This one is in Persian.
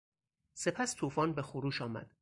سپس توفان به خروش آمد.